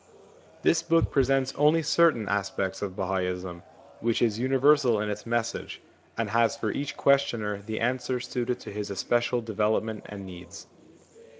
This book presents only certain aspects of Bahaism, which is universal in its message, and has for each questioner the answer suited to his especial develop ment and needs.